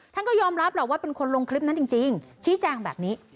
ท่านก็ยอมรับแหละว่าเป็นคนลงคลิปนั้นจริงชี้แจงแบบนี้